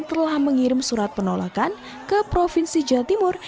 telah mengirim surat penolakan ke provinsi jawa timur